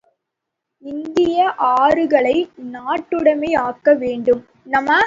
இந்திய ஆறுகளை நாட்டுடைமை ஆக்க வேண்டும்.